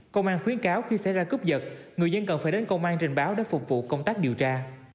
công an khuyến cáo khi xảy ra cướp giật người dân cần phải đến công an trình báo để phục vụ công tác điều tra